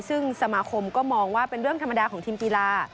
ซึ่งสมาคมก็มองว่าเป็นเรื่องธรรมดาของทีมกีฬา